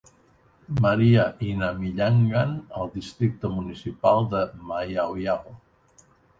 Maria i Namillangan al districte municipal de Mayaoyao.